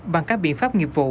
bằng các biện pháp nghiệp vụ